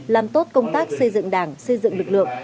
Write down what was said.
làm tốt công tác xây dựng đảng xây dựng lực lượng